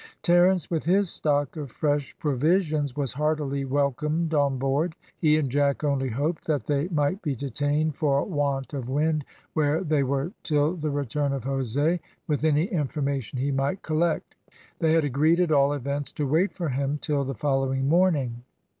Terence, with his stock of fresh provisions, was heartily welcomed on board. He and Jack only hoped that they might be detained for want of wind where they were till the return of Jose, with any information he might collect; they had agreed at all events to wait for him till the following morning.